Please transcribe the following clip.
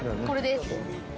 これです。